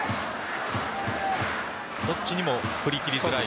どっちにも振り切りづらい？